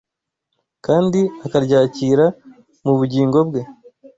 kandi akaryakira mu bugingo bwe